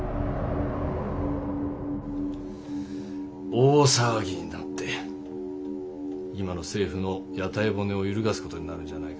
大騒ぎになって今の政府の屋台骨を揺るがすことになるんじゃないかとな。